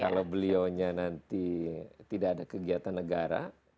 kalau beliaunya nanti tidak ada kegiatan negara